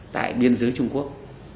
tại biên giới trung quốc